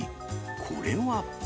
これは？